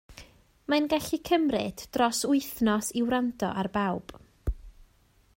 Mae'n gallu cymryd dros wythnos i wrando ar bawb